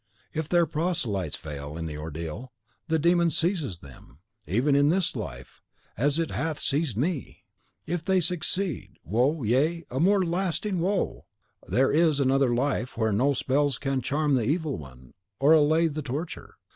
If their proselytes fail in the ordeal, the demon seizes them, even in this life, as it hath seized me! if they succeed, woe, yea, a more lasting woe! There is another life, where no spells can charm the evil one, or allay the torture.